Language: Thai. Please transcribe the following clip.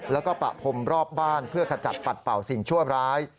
แล้วก็ประพรมรอบบ้านเพื่อขจัดปัดเป่าสิ่งชั่วร้าย